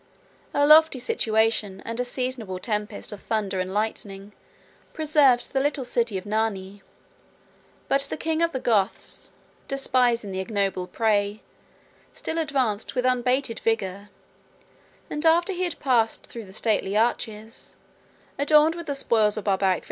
A lofty situation, and a seasonable tempest of thunder and lightning, preserved the little city of Narni; but the king of the Goths, despising the ignoble prey, still advanced with unabated vigor; and after he had passed through the stately arches, adorned with the spoils of Barbaric victories, he pitched his camp under the walls of Rome.